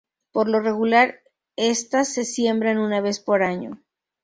Por lo regular estas se siembran una vez por año.